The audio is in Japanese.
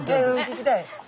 聞きたい。